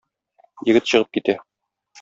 Егет чыгып китә.